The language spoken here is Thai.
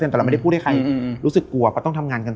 แต่เราไม่ได้พูดให้ใครรู้สึกกลัวเพราะต้องทำงานกันต่อ